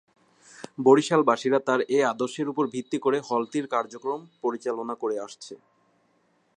বরিশালবাসীরা তাঁর এ আদর্শের উপর ভিত্তি করে হলটির কার্যক্রম পরিচালনা করে আসছে।